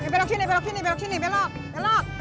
belok sini belok sini belok sini belok